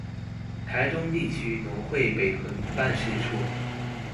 臺中地區農會北屯辦事處